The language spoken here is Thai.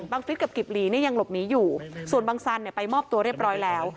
ฟิศกับกิบหลีเนี่ยยังหลบหนีอยู่ส่วนบังสันไปมอบตัวเรียบร้อยแล้ว